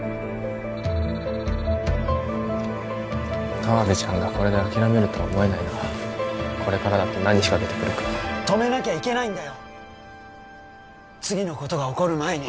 河部ちゃんがこれで諦めるとは思えないなこれからだって何仕掛けてくるか止めなきゃいけないんだよ